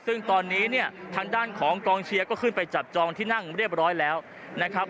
ซึ่งตอนนี้เนี่ยทางด้านของกองเชียร์ก็ขึ้นไปจับจองที่นั่งเรียบร้อยแล้วนะครับ